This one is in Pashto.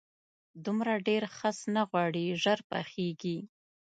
دومره ډېر خس نه غواړي، ژر پخېږي.